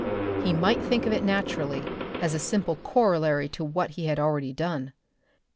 He might think of it naturally, as a simple corollary to what he had already done.